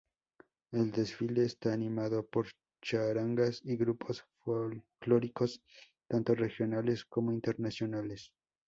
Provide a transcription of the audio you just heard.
El desfile está animado por charangas y grupos folclóricos, tanto regionales como internacionales.